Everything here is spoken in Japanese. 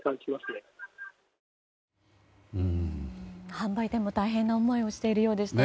販売店でも大変な思いをしているようですね。